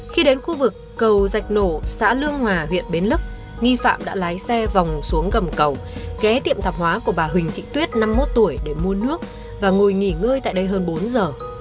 khi đến khu vực cầu dạch nổ xã lương hòa huyện bến lức nghi phạm đã lái xe vòng xuống gầm cầu ghé tiệm tạp hóa của bà huỳnh thị tuyết năm mươi một tuổi để mua nước và ngồi nghỉ ngơi tại đây hơn bốn giờ